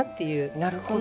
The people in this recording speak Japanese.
なるほど。